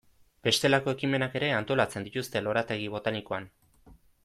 Bestelako ekimenak ere antolatzen dituzte lorategi botanikoan.